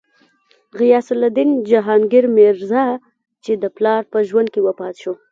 غیاث الدین جهانګیر میرزا، چې د پلار په ژوند کې وفات شو.